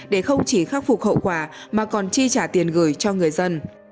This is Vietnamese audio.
để không chỉ khắc phục hậu quả mà còn chi trả tiền gửi cho người dân